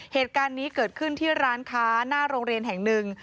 เหตุการณ์นี้เกิดขึ้นที่ร้านค้าหน้าโรงเรียนแห่งหนึ่ง